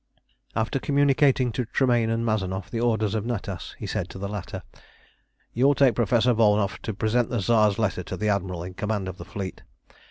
After communicating to Tremayne and Mazanoff the orders of Natas, he said to the latter "You will take Professor Volnow to present the Tsar's letter to the Admiral in command of the fleet.